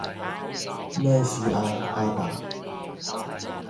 咩事啊，阿爸？